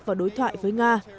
và đối thoại với nga